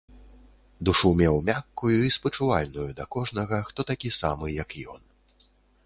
Душу меў мяккую і спачувальную да кожнага, хто такі самы, як ён.